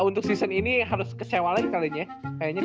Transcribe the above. untuk season ini harus kecewa lagi kali ini ya